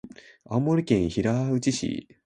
青森県平内町